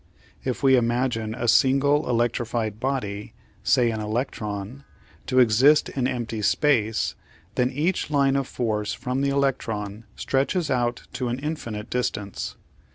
If we imagine a single electrified body, say an electron, to exist in empty space, then each line of force from the electron stretches out to an infinite distance.